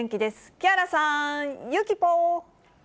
木原さん、ゆきポ。